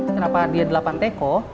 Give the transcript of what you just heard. kenapa dia delapan teko